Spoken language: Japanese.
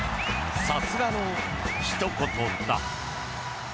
さすがのひと言だ。